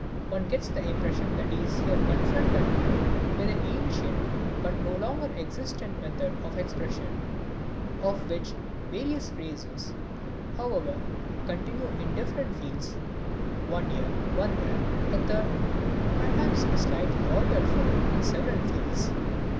One gets the impression that he is here confronted with an ancient but no longer existent method of expression, of which various phases, however, continue in different fields, one here, one there, a third, perhaps in a slightly altered form, in several fields.